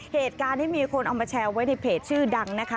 เหตุการณ์นี้มีคนเอามาแชร์ไว้ในเพจชื่อดังนะคะ